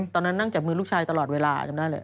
ตอนนั้นนั่งจับมือลูกชายตลอดเวลาจำได้เลย